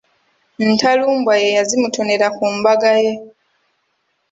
Ntalumbwa ye yazimutonera ku mbaga ye.